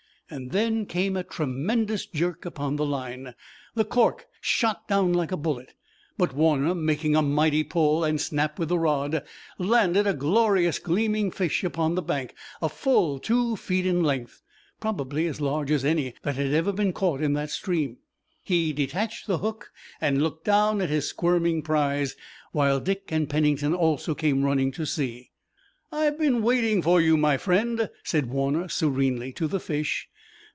There came a tremendous jerk upon the line! The cork shot down like a bullet, but Warner, making a mighty pull and snap with the rod, landed a glorious gleaming fish upon the bank, a full two feet in length, probably as large as any that had ever been caught in that stream. He detached the hook and looked down at his squirming prize, while Dick and Pennington also came running to see. "I've been waiting for you, my friend," said Warner serenely to the fish.